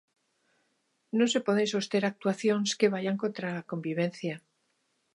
Non se poden soster actuacións que vaian contra a convivencia.